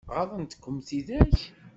Ɣaḍent-kem tidak?